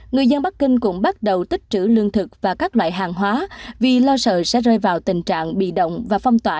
người dân bắc kinh cũng bắt đầu tích trữ lương thực và các loại hàng hóa vì lo sợ sẽ rơi vào tình trạng bị động và phong tỏa